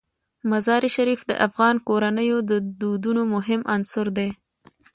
مزارشریف د افغان کورنیو د دودونو مهم عنصر دی.